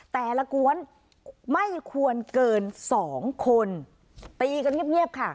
แต่ละกวนไม่ควรเกินสองคนตีกันเงียบค่ะ